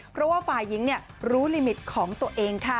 เพราะว่าฝ่ายหญิงรู้ลิมิตของตัวเองค่ะ